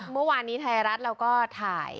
เมื่อวานนี้ไทยรัฐเราก็ถ่าย